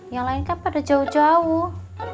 yang lain kan pada jauh jauh